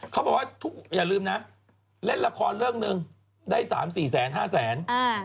เขาบอกว่าทุกอย่าลืมนะเล่นละครเรื่องหนึ่งได้๓๔๕แสน